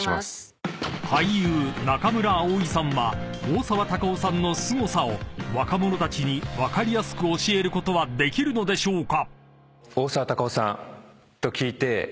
［俳優中村蒼さんは大沢たかおさんのすごさを若者たちに分かりやすく教えることはできるのでしょうか？］